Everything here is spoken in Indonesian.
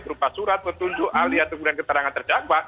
berupa surat petunjuk alias kemudian keterangan terdakwa